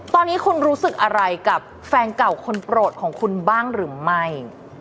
ตอนนี้คุณรู้สึกอะไรกับแฟนเก่าคนโปรดของคุณบ้างหรือไม่